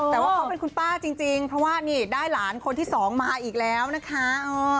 แต่ว่าเขาเป็นคุณป้าจริงเพราะว่านี่ได้หลานคนที่สองมาอีกแล้วนะคะ